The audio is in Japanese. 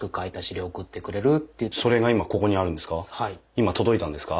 今届いたんですか？